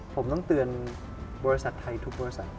ผมต้องเตือนบริษัทไทยทุกบริษัท